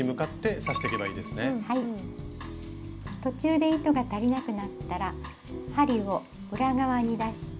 途中で糸が足りなくなったら針を裏側に出して。